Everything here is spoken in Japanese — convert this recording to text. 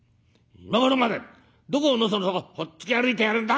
『今頃までどこをのそのそほっつき歩いてやがるんだ！』